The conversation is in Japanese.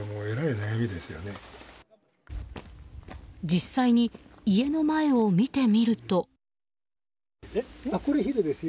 実際に家の前を見てみると。